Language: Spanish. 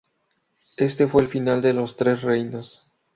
Éste fue el final de los Tres Reinos.